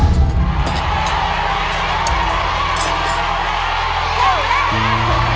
ต้นไม้ประจำจังหวัดระยองการครับ